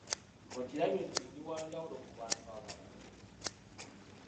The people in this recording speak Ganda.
Okirabye nti ndi wa njawulo ku bantu abalala.